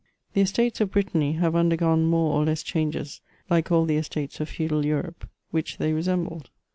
The Estates of Brittany have undergone more or less changes, like all the Estates of feudal Europe, which they resembled.